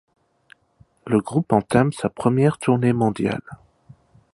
Le groupe entame sa première tournée mondiale.